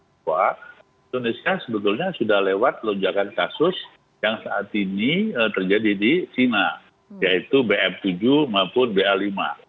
bahwa indonesia sebetulnya sudah lewat lonjakan kasus yang saat ini terjadi di china yaitu bm tujuh maupun ba lima